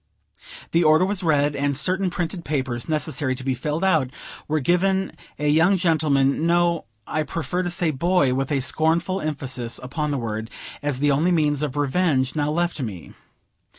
The order was read, and certain printed papers, necessary to be filled out, were given a young gentleman no, I prefer to say Boy, with a scornful emphasis upon the word, as the only means of revenge now left me.